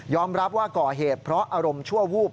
รับว่าก่อเหตุเพราะอารมณ์ชั่ววูบ